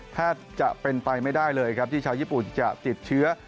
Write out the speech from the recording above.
แทบจะเป็นไปไม่ได้เลยครับที่ชาวญี่ปุ่นจะติดเชื้อ